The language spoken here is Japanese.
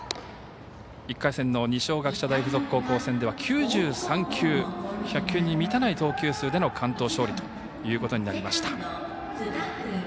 １回戦の二松学舎大付属高校戦では９３球、１００球に満たない投球数での完投勝利ということになりました。